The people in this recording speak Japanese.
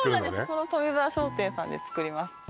この富澤商店さんで作ります